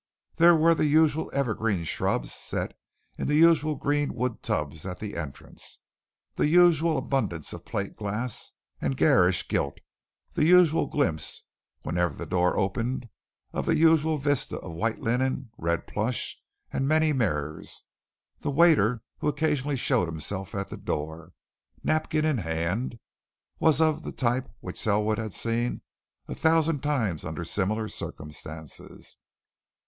There were the usual evergreen shrubs set in the usual green wood tubs at the entrance; the usual abundance of plate glass and garish gilt; the usual glimpse, whenever the door opened, of the usual vista of white linen, red plush, and many mirrors; the waiter who occasionally showed himself at the door, napkin in hand, was of the type which Selwood had seen a thousand times under similar circumstances.